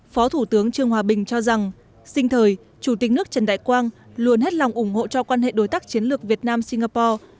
phó thủ tướng trương hòa bình cho rằng sinh thời chủ tịch nước trần đại quang luôn hết lòng ủng hộ cho quan hệ đối tác chiến lược việt nam singapore